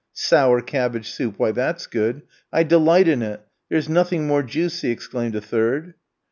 "Sour cabbage soup, why, that's good. I delight in it; there's nothing more juicy," exclaimed a third.